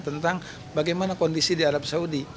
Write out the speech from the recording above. tentang bagaimana kondisi di arab saudi